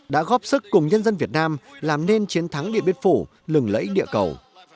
đã góp sức cùng nhân dân việt nam làm nên chiến thắng địa biệt phủ lừng lẫy địa cầu